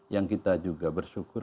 yang kita juga bersyukur